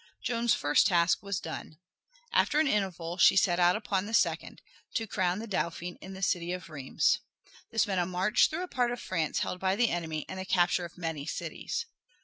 Joan's first task was done. After an interval she set out upon the second, to crown the Dauphin in the city of Rheims. This meant a march through a part of France held by the enemy and the capture of many cities.